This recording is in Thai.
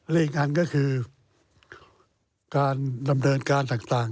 และอีกอันก็คือการดำเนินการต่าง